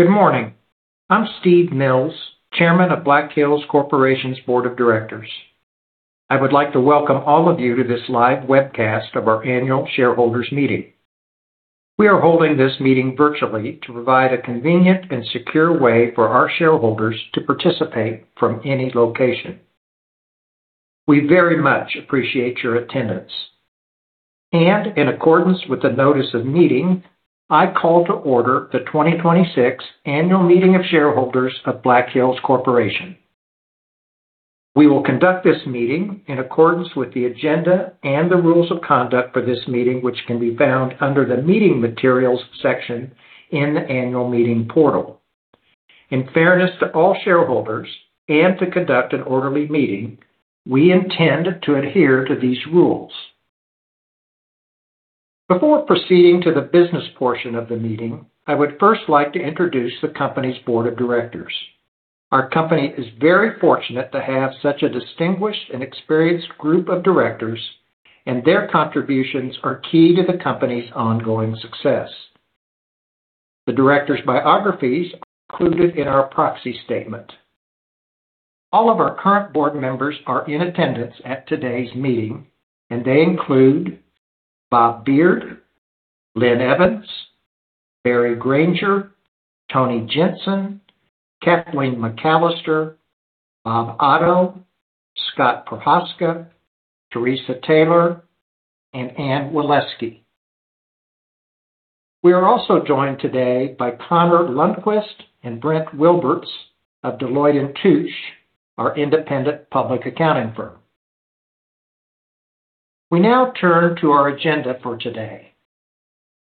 Good morning. I'm Steven Mills, Chairman of Black Hills Corporation's Board of Directors. I would like to welcome all of you to this live webcast of our annual shareholders meeting. We are holding this meeting virtually to provide a convenient and secure way for our shareholders to participate from any location. We very much appreciate your attendance. In accordance with the notice of meeting, I call to order the 2026 annual meeting of shareholders of Black Hills Corporation. We will conduct this meeting in accordance with the agenda and the rules of conduct for this meeting, which can be found under the Meeting Materials section in the annual meeting portal. In fairness to all shareholders and to conduct an orderly meeting, we intend to adhere to these rules. Before proceeding to the business portion of the meeting, I would first like to introduce the company's board of directors. Our company is very fortunate to have such a distinguished and experienced group of directors, and their contributions are key to the company's ongoing success. The directors' biographies are included in our proxy statement. All of our current board members are in attendance at today's meeting, and they include Bob Beard, Linn Evans, Barry Granger, Tony Jensen, Kathleen McAllister, Robert Otto, Scott M. Prochazka, Teresa A. Taylor, and Anne G. Waleski. We are also joined today by Connor Lundquist and Brent Wilberts of Deloitte & Touche, our independent public accounting firm. We now turn to our agenda for today.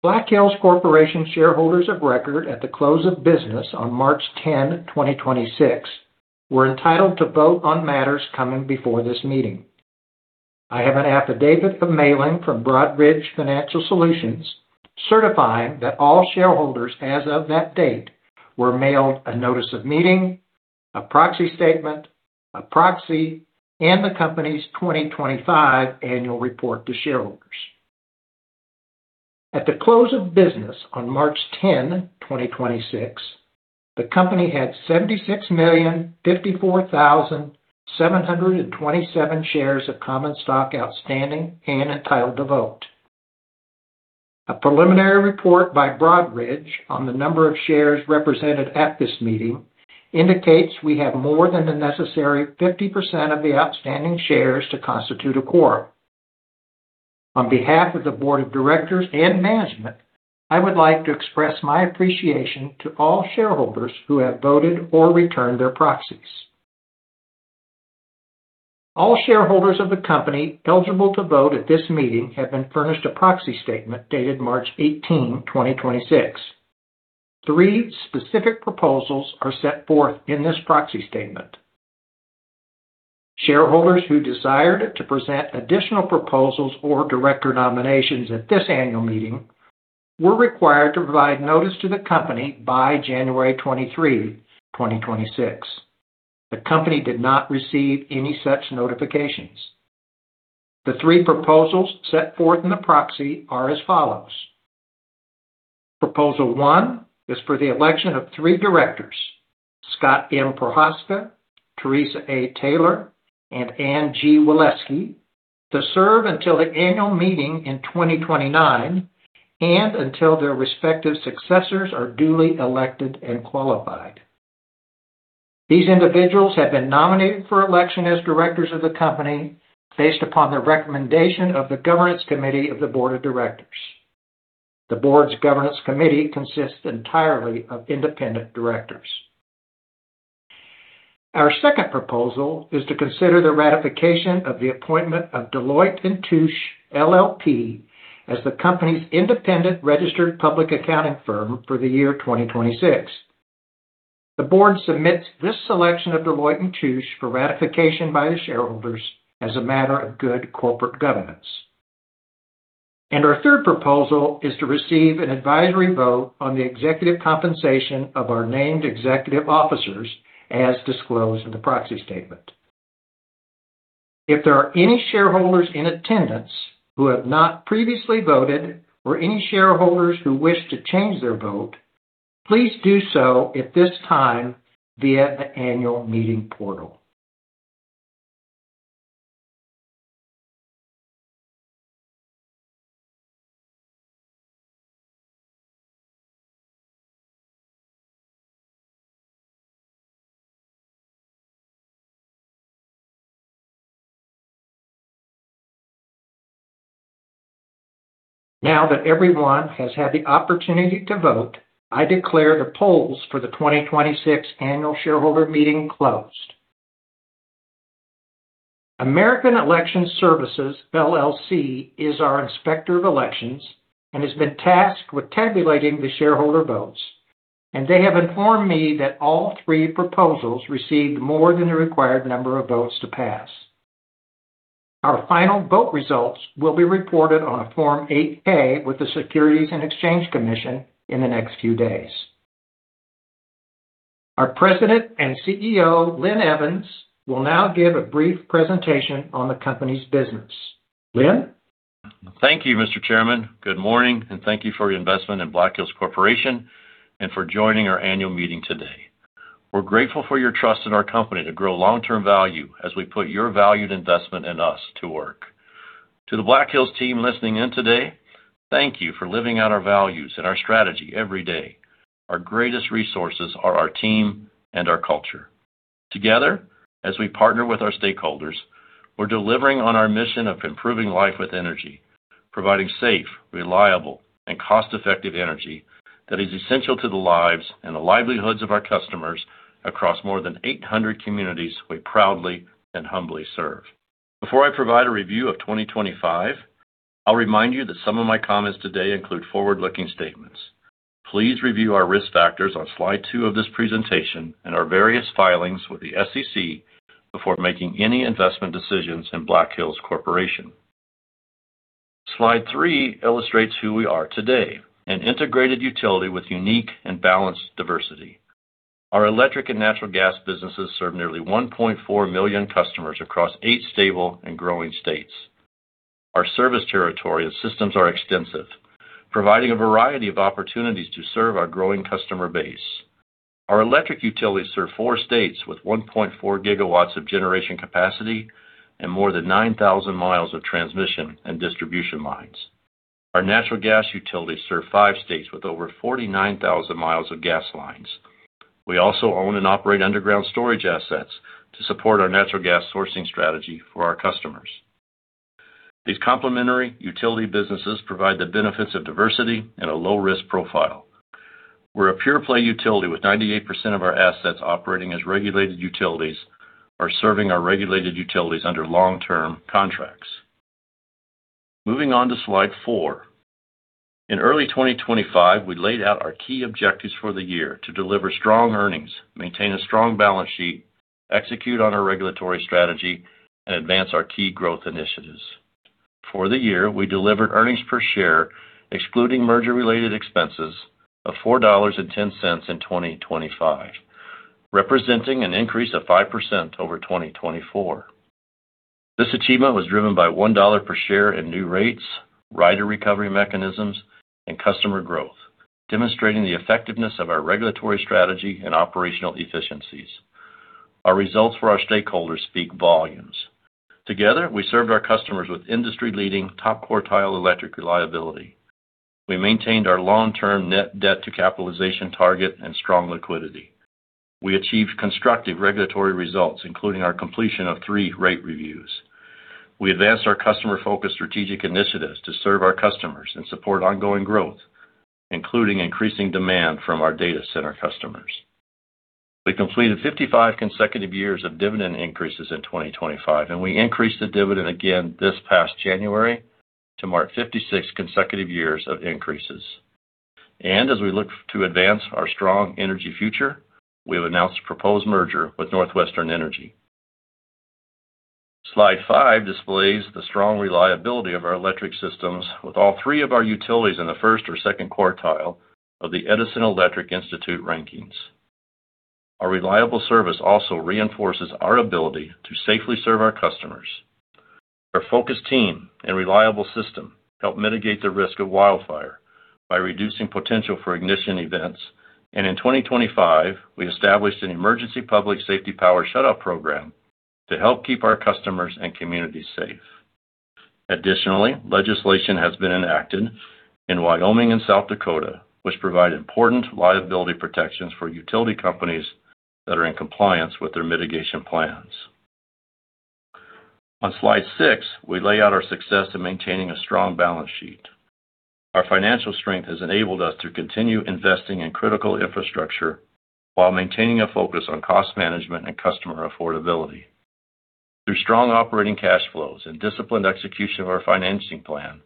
Black Hills Corporation shareholders of record at the close of business on March 10, 2026 were entitled to vote on matters coming before this meeting. I have an affidavit of mailing from Broadridge Financial Solutions certifying that all shareholders as of that date were mailed a notice of meeting, a proxy statement, a proxy, and the company's 2025 annual report to shareholders. At the close of business on March 10th 2026, the company had 76,054,727 shares of common stock outstanding and entitled to vote. A preliminary report by Broadridge on the number of shares represented at this meeting indicates we have more than the necessary 50% of the outstanding shares to constitute a quorum. On behalf of the board of directors and management, I would like to express my appreciation to all shareholders who have voted or returned their proxies. All shareholders of the company eligible to vote at this meeting have been furnished a proxy statement dated March 18th 2026. Three specific proposals are set forth in this proxy statement. Shareholders who desired to present additional proposals or director nominations at this annual meeting were required to provide notice to the company by January 23rd 2026. The company did not receive any such notifications. The three proposals set forth in the proxy are as follows. Proposal one is for the election of three directors, Scott M. Prochazka, Teresa A. Taylor, and Anne G. Waleski, to serve until the annual meeting in 2029 and until their respective successors are duly elected and qualified. These individuals have been nominated for election as directors of the company based upon the recommendation of the Governance Committee of the Board of Directors. The Board's Governance Committee consists entirely of independent directors. Our second proposal is to consider the ratification of the appointment of Deloitte & Touche LLP as the company's independent registered public accounting firm for the year 2026. The Board submits this selection of Deloitte & Touche for ratification by the shareholders as a matter of good corporate governance. Our third proposal is to receive an advisory vote on the executive compensation of our named executive officers as disclosed in the proxy statement. If there are any shareholders in attendance who have not previously voted or any shareholders who wish to change their vote, please do so at this time via the annual meeting portal. Now that everyone has had the opportunity to vote, I declare the polls for the 2026 annual shareholder meeting closed. American Election Services, LLC is our inspector of elections and has been tasked with tabulating the shareholder votes, and they have informed me that all three proposals received more than the required number of votes to pass. Our final vote results will be reported on a Form 8-K with the Securities and Exchange Commission in the next few days. Our President and CEO, Linn Evans, will now give a brief presentation on the company's business. Linn? Thank you, Mr. Chairman. Good morning, and thank you for your investment in Black Hills Corporation and for joining our annual meeting today. We're grateful for your trust in our company to grow long-term value as we put your valued investment in us to work. To the Black Hills team listening in today, thank you for living out our values and our strategy every day. Our greatest resources are our team and our culture. Together, as we partner with our stakeholders, we're delivering on our mission of improving life with energy, providing safe, reliable, and cost-effective energy that is essential to the lives and the livelihoods of our customers across more than 800 communities we proudly and humbly serve. Before I provide a review of 2025, I'll remind you that some of my comments today include forward-looking statements. Please review our risk factors on slide two of this presentation and our various filings with the SEC before making any investment decisions in Black Hills Corporation. Slide three illustrates who we are today, an integrated utility with unique and balanced diversity. Our electric and natural gas businesses serve nearly 1.4 million customers across eight stable and growing states. Our service territory and systems are extensive, providing a variety of opportunities to serve our growing customer base. Our electric utilities serve four states with 1.4 gigawatts of generation capacity and more than 9,000 miles of transmission and distribution lines. Our natural gas utilities serve five states with over 49,000 miles of gas lines. We also own and operate underground storage assets to support our natural gas sourcing strategy for our customers. These complementary utility businesses provide the benefits of diversity and a low risk profile. We're a pure play utility with 98% of our assets operating as regulated utilities or serving our regulated utilities under long-term contracts. Moving on to slide four. In early 2025, we laid out our key objectives for the year to deliver strong earnings, maintain a strong balance sheet, execute on our regulatory strategy, and advance our key growth initiatives. For the year, we delivered earnings per share, excluding merger-related expenses, of $4.10 in 2025, representing an increase of five percent over 2024. This achievement was driven by $1 per share in new rates, rider recovery mechanisms, and customer growth, demonstrating the effectiveness of our regulatory strategy and operational efficiencies. Our results for our stakeholders speak volumes. Together, we served our customers with industry-leading top quartile electric reliability. We maintained our long-term net debt to capitalization target and strong liquidity. We achieved constructive regulatory results, including our completion of three rate reviews. We advanced our customer-focused strategic initiatives to serve our customers and support ongoing growth, including increasing demand from our data center customers. We completed 55 consecutive years of dividend increases in 2025, and we increased the dividend again this past January to mark 56 consecutive years of increases. As we look to advance our strong energy future, we have announced a proposed merger with NorthWestern Energy. Slide five displays the strong reliability of our electric systems with all three of our utilities in the first or second quartile of the Edison Electric Institute rankings. Our reliable service also reinforces our ability to safely serve our customers. Our focused team and reliable system help mitigate the risk of wildfire by reducing potential for ignition events. In 2025, we established an emergency Public Safety Power Shutoff program to help keep our customers and communities safe. Additionally, legislation has been enacted in Wyoming and South Dakota, which provide important liability protections for utility companies that are in compliance with their mitigation plans. On slide six, we lay out our success in maintaining a strong balance sheet. Our financial strength has enabled us to continue investing in critical infrastructure while maintaining a focus on cost management and customer affordability. Through strong operating cash flows and disciplined execution of our financing plan,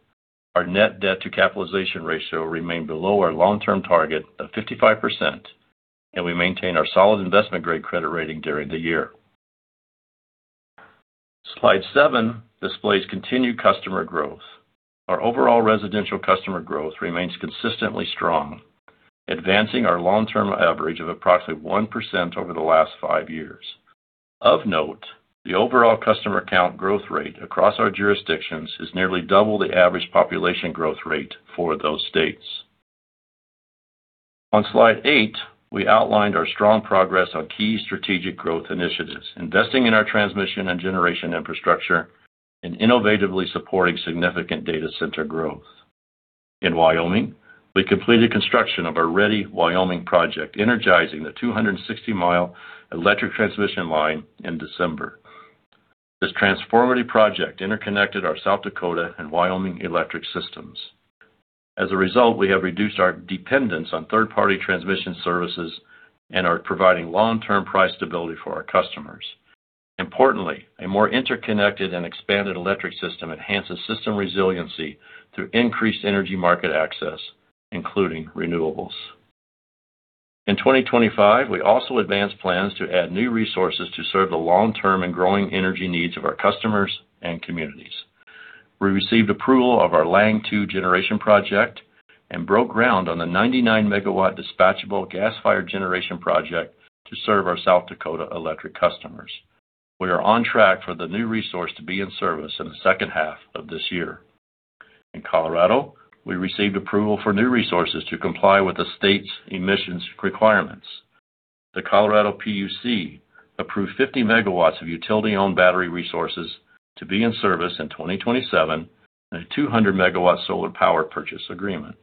our net debt to capitalization ratio remained below our long-term target of 55%, and we maintained our solid investment-grade credit rating during the year. Slide seven displays continued customer growth. Our overall residential customer growth remains consistently strong, advancing our long-term average of approximately one percent over the last five years. Of note, the overall customer count growth rate across our jurisdictions is nearly double the average population growth rate for those states. On slide eight, we outlined our strong progress on key strategic growth initiatives, investing in our transmission and generation infrastructure and innovatively supporting significant data center growth. In Wyoming, we completed construction of our Ready Wyoming project, energizing the 260-mile electric transmission line in December. This transformative project interconnected our South Dakota and Wyoming electric systems. As a result, we have reduced our dependence on third-party transmission services and are providing long-term price stability for our customers. Importantly, a more interconnected and expanded electric system enhances system resiliency through increased energy market access, including renewables. In 2025, we also advanced plans to add new resources to serve the long-term and growing energy needs of our customers and communities. We received approval of our Lange II generation project and broke ground on the 99 megawatt dispatchable gas-fired generation project to serve our South Dakota electric customers. We are on track for the new resource to be in service in the second half of this year. In Colorado, we received approval for new resources to comply with the state's emissions requirements. The Colorado PUC approved 50 megawatts of utility-owned battery resources to be in service in 2027 and a 200 megawatt solar power purchase agreement.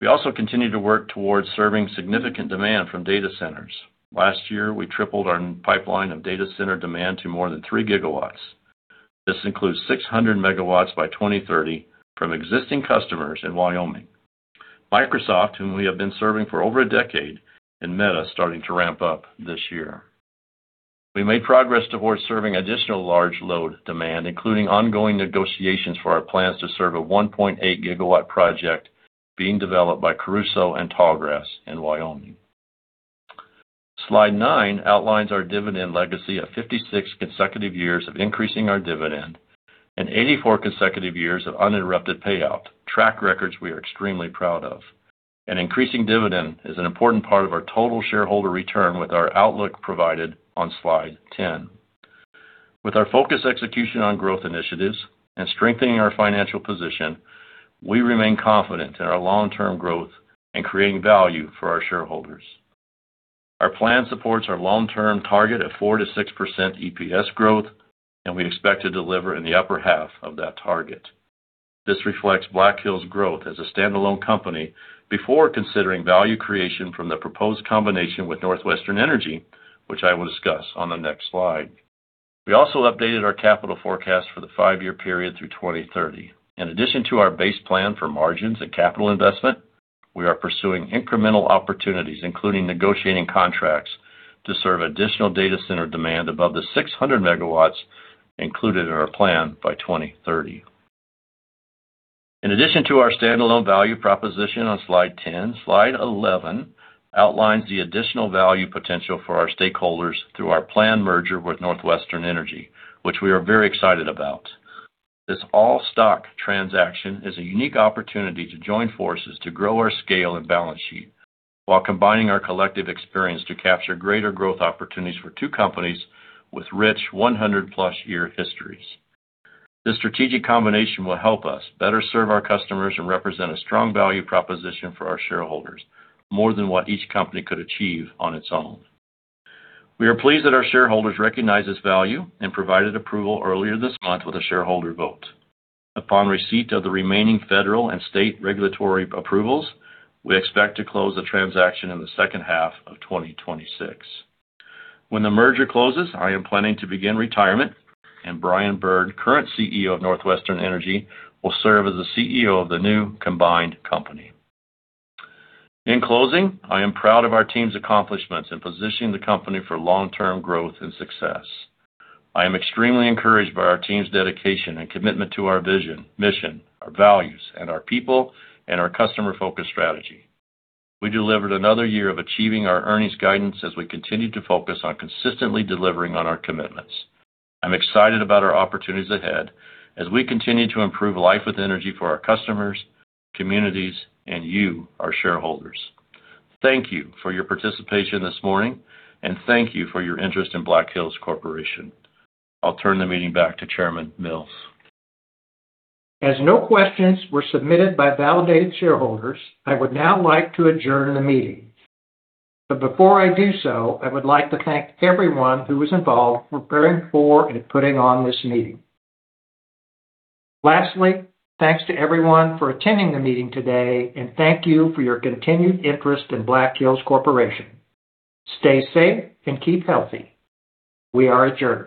We also continue to work towards serving significant demand from data centers. Last year, we tripled our pipeline of data center demand to more than three gigawatts. This includes 600 megawatts by 2030 from existing customers in Wyoming. Microsoft, whom we have been serving for over a decade, and Meta starting to ramp up this year. We made progress towards serving additional large load demand, including ongoing negotiations for our plans to serve a 1.8 gigawatt project being developed by Crusoe and Tallgrass in Wyoming. Slide nine outlines our dividend legacy of 56 consecutive years of increasing our dividend and 84 consecutive years of uninterrupted payout, track records we are extremely proud of. An increasing dividend is an important part of our total shareholder return with our outlook provided on Slide 10. With our focused execution on growth initiatives and strengthening our financial position, we remain confident in our long-term growth and creating value for our shareholders. Our plan supports our long-term target of four percent-six percent EPS growth, and we expect to deliver in the upper half of that target. This reflects Black Hills' growth as a standalone company before considering value creation from the proposed combination with NorthWestern Energy, which I will discuss on the next slide. We also updated our capital forecast for the five-year period through 2030. In addition to our base plan for margins and capital investment, we are pursuing incremental opportunities, including negotiating contracts to serve additional data center demand above the 600 MW included in our plan by 2030. In addition to our standalone value proposition on slide 10, slide 11 outlines the additional value potential for our stakeholders through our planned merger with NorthWestern Energy, which we are very excited about. This all-stock transaction is a unique opportunity to join forces to grow our scale and balance sheet while combining our collective experience to capture greater growth opportunities for two companies with rich 100-plus year histories. This strategic combination will help us better serve our customers and represent a strong value proposition for our shareholders, more than what each company could achieve on its own. We are pleased that our shareholders recognize this value and provided approval earlier this month with a shareholder vote. Upon receipt of the remaining federal and state regulatory approvals, we expect to close the transaction in the second half of 2026. When the merger closes, I am planning to begin retirement and Brian Bird, current CEO of NorthWestern Energy, will serve as the CEO of the new combined company. In closing, I am proud of our team's accomplishments in positioning the company for long-term growth and success. I am extremely encouraged by our team's dedication and commitment to our vision, mission, our values and our people and our customer-focused strategy. We delivered another year of achieving our earnings guidance as we continue to focus on consistently delivering on our commitments. I'm excited about our opportunities ahead as we continue to improve life with energy for our customers, communities, and you, our shareholders. Thank you for your participation this morning, and thank you for your interest in Black Hills Corporation. I'll turn the meeting back to Chairman Mills. No questions were submitted by validated shareholders, I would now like to adjourn the meeting. Before I do so, I would like to thank everyone who was involved preparing for and putting on this meeting. Lastly, thanks to everyone for attending the meeting today, and thank you for your continued interest in Black Hills Corporation. Stay safe and keep healthy. We are adjourned.